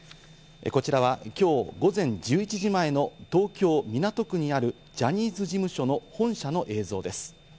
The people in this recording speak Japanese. こちらはきょう午前１１時前の東京・港区にあるジャニーズ事務所の本社の映像です。